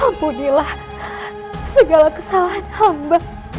ampunilah segala kesalahan amba